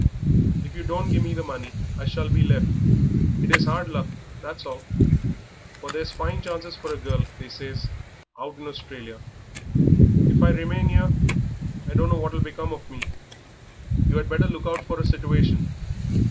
"If you don't give me the money I shall be left; it is hard luck, that's all, for there's fine chances for a girl, they says, out in Australia. If I remain 'ere I dunno what will become of me." "You had better look out for a situation.